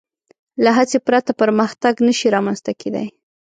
له هڅې پرته پرمختګ نهشي رامنځ ته کېدی.